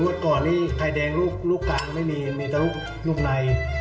เมื่อก่อนนี้ไข่แดงรูปกลางไม่มีมีแต่รูปใน